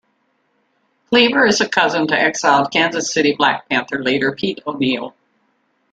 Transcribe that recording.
Cleaver is a cousin to exiled Kansas City Black Panther leader Pete O'Neal.